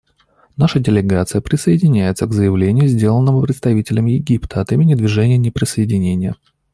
Наша делегация присоединяется к заявлению, сделанному представителем Египта от имени Движения неприсоединения.